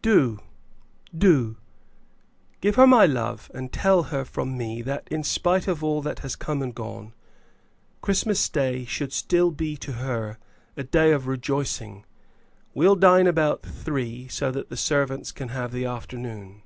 "Do, do. Give her my love, and tell her from me that, in spite of all that has come and gone, Christmas Day should still be to her a day of rejoicing. We'll dine about three, so that the servants can have the afternoon."